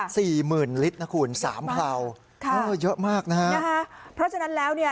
สี่หมื่นลิตรนะคุณสามเพราค่ะเออเยอะมากนะฮะเพราะฉะนั้นแล้วเนี่ย